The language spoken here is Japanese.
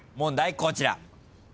こちら。